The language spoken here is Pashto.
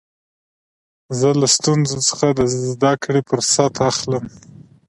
زه له ستونزو څخه د زدکړي فرصت اخلم.